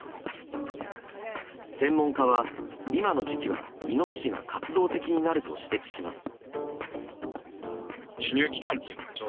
専門家は今の時期はイノシシが活動的になると指摘します。